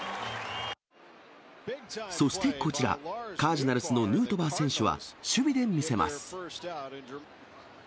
そしてこちら、カージナルスのヌートバー選手は、守備で見せます。